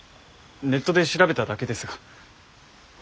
ネットで調べただけですが。